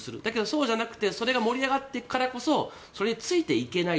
そうじゃなくてそれが盛り上がっていくからこそそれについていけない